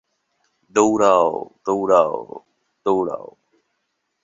দৌড়াও, দৌড়াও, দৌড়াও!